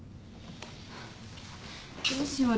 どうしよう？